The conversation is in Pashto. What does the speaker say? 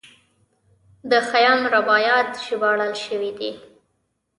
د خیام رباعیات ژباړل شوي دي.